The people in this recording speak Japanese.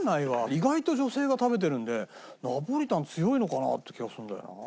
意外と女性が食べてるんでナポリタン強いのかなって気がするんだよな。